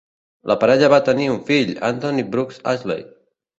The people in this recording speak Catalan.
La parella va tenir un fill, Anthony Brooks Ashley.